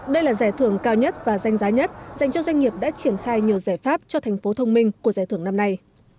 đây là giải thưởng cao nhất và danh giá nhất dành cho doanh nghiệp đã triển khai nhiều giải pháp cho thành phố thông minh của giải thưởng năm nay